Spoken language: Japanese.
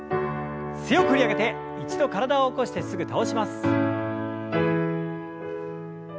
強く振り上げて一度体を起こしてすぐ倒します。